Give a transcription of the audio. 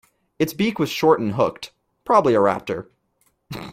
Its beak was short and hooked – probably a raptor.